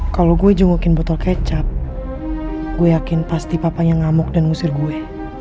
kalau gue jengukin botol kecap gue yakin pasti papanya ngamuk dan ngusir gue